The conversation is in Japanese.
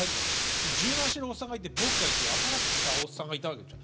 柔軟してるおっさんがいて僕がいて新しく来たおっさんがいたわけですよ。